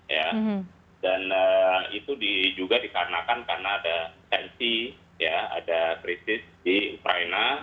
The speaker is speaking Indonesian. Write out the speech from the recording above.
ya dan itu juga dikarenakan karena ada krisis di ukraina